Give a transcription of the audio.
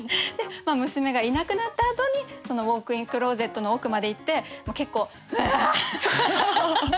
娘がいなくなったあとにそのウォークインクローゼットの奥まで行って結構うわ！って。